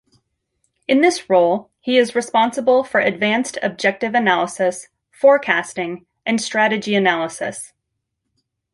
In this role, he is responsible for advanced objective analysis, forecasting, and strategy analysis.